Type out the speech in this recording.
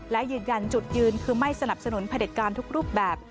และยืนยันจุดยืนคือไม่สนับสนุนผลิตการทุกรูปแบบ